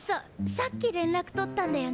さっき連絡とったんだよね？